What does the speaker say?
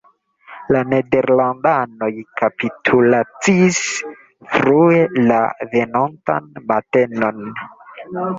La nederlandanoj kapitulacis frue la venontan matenon.